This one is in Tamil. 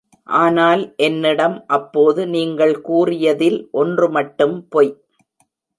ஆனால் என்னிடம் அப்போது நீங்கள் கூறியதில் ஒன்றுமட்டும் பொய்.